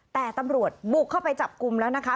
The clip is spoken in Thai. แต่ตำรวจบุกเข้าไปจับกลุ่มแล้วนะคะ